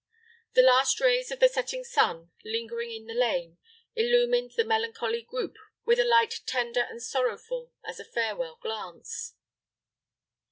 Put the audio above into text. The last rays of the setting sun, lingering in the lane, illumined the melancholy group with a light tender and sorrowful as a farewell glance.